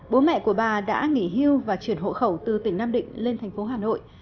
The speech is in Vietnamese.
bố mẹ của bà đã nghỉ hưu và chuyển hộ khẩu từ tỉnh nam định lên thành phố hà nội